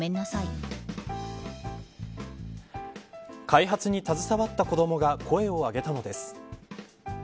開発に携わった子どもが声を上げたのです。